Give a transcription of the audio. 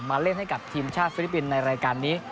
มาเล่นให้กับทีมชาติฟิลิปปินส์ในรายการนี้